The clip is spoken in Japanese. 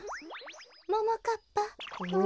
ももかっぱ。